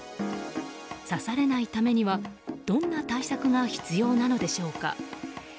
刺されないためにはどんな対策が必要なのでしょうか。